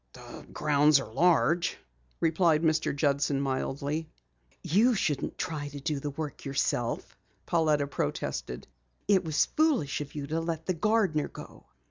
"The grounds are large," replied Mr. Judson mildly. "You shouldn't try to do the work yourself," Pauletta protested. "It was foolish of you to let the gardener go."